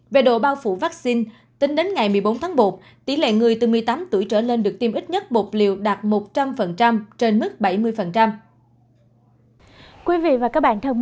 về độ bao phủ vaccine tính đến ngày một mươi bốn tháng một tỷ lệ người từ một mươi tám tuổi trở lên được tiêm ít nhất bột liều đạt một trăm linh trên mức bảy mươi